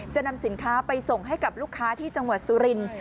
จะนำสินค้าไปส่งให้กับลูกค้าที่จังหวัดสุรินทร์